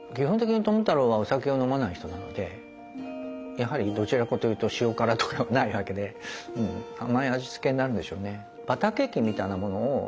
やはりどちらかというと塩辛とかもないわけで甘い味付けになるんでしょうね。